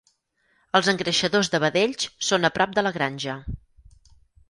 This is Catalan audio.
Els engreixadors de vedells són a prop de la granja.